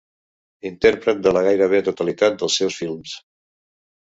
Intèrpret de la gairebé totalitat dels seus films.